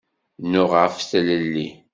Nuɣen ɣef tlelli.